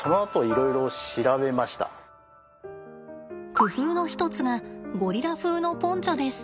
工夫の一つがゴリラ風のポンチョです。